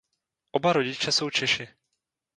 Oba rodiče jsou Češi.